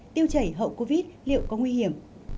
tiêu chảy hậu covid liệu có nguy hiểm